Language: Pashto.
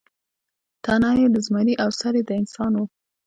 تنه یې د زمري او سر یې د انسان و.